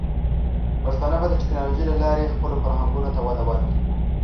پښتانه به د ټیکنالوجۍ له لارې خپلو فرهنګونو ته وده ورکړي.